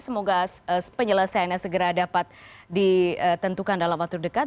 semoga penyelesaiannya segera dapat ditentukan dalam waktu dekat